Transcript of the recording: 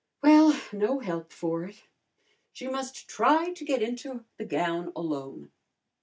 Well, no help for it. She must try to get into the gown alone.